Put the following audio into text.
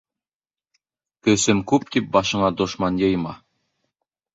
Көсөм күп тип башыңа дошман йыйма: